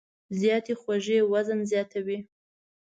زیاتې خوږې وزن زیاتوي.